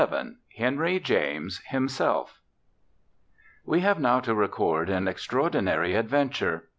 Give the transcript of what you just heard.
VII HENRY JAMES, HIMSELF We have now to record an extraordinary adventure.